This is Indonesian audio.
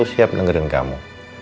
aku siap dengerin kamu